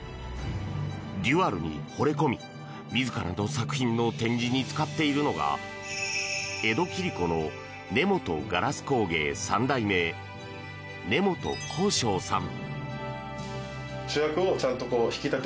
ＤＵＡＬにほれ込み自らの作品の展示に使っているのが江戸切子の根本硝子工芸３代目根本幸昇さん。